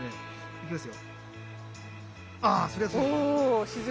いきます。